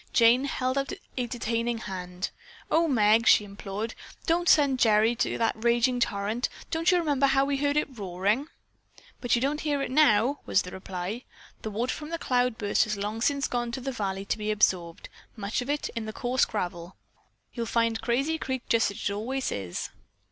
Jane held out a detaining hand. "Oh, Meg," she implored, "don't send Gerry to that raging torrent. Don't you remember how we heard it roaring?" "But you don't hear it now," was the reply. "The water from the cloudburst has long since gone to the valley to be absorbed, much of it, in the coarse gravel. You'll find Crazy Creek just as it always is."